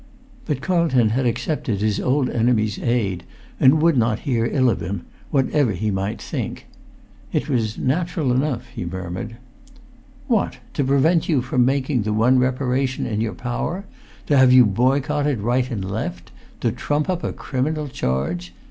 But Carlton had accepted his old enemy's aid, and would not hear ill of him, whatever he might think. "It was natural enough," he murmured. "What! To prevent you from making the one reparation in your power? To have you boycotted right and left? To trump up a criminal charge?